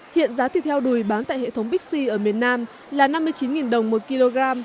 hiện giá thịt heo đùi bán tại hệ thống bixi ở miền nam là năm mươi chín đồng một kg